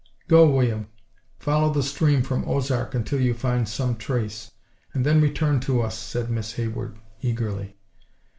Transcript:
"Go, William; follow the stream from Ozark, until you find some trace, and then return to us," said Miss Hayward, eagerly.